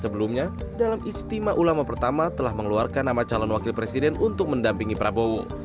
sebelumnya dalam istimewa ulama pertama telah mengeluarkan nama calon wakil presiden untuk mendampingi prabowo